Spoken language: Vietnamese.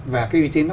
và cái uy tín đó